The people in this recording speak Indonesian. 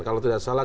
kalau tidak salah